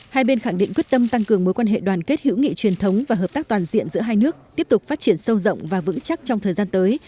hai bên khẳng định quyết tâm tăng cường mối quan hệ đoàn kết hữu nghị truyền thống và hợp tác toàn diện giữa hai nước tiếp tục phát triển sâu rộng và vững chắc trong thời gian tới